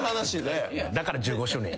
だから「１５周年」や。